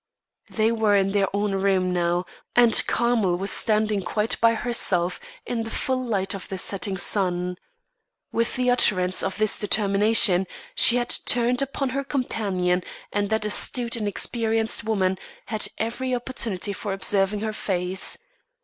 They were in their own room now, and Carmel was standing quite by herself in the full light of the setting sun. With the utterance of this determination, she had turned upon her companion; and that astute and experienced woman had every opportunity for observing her face.